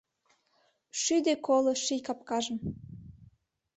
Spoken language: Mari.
Шӱдӧ коло ший капкажым